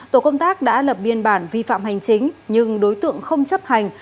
tổ công tác đã lập biên bản vi phạm hành chính nhưng đối tượng không chấp hành